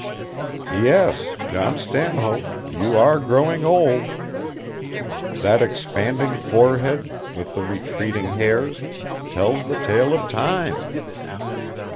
Yes, John Stanhope, you are growing old. That expanding forehead, with the retreating hairs, tells the tale of time.